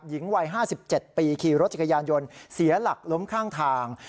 หญิงวัย๕๗ปีขี่รถจักรยานยนต์เสียหลักล้มข้างทาง